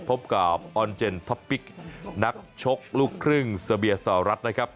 พบกับออนเจนท็อปปิกนักชกลูกครึ่งสเบียสาวรัฐนะครับ